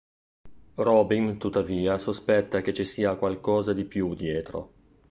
Robin tuttavia sospetta che ci sia qualcosa di più dietro.